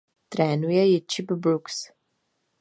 Trénuje ji Chip Brooks.